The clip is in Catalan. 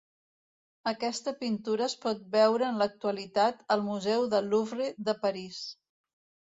Aquesta pintura es pot veure en l'actualitat al Museu del Louvre de París.